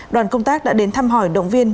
đoàn công tác đã đến thăm hỏi động viên